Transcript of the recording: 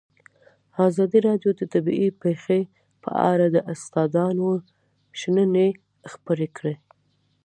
ازادي راډیو د طبیعي پېښې په اړه د استادانو شننې خپرې کړي.